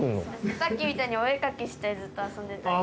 さっきみたいにお絵描きしたりずっと遊んでたりああ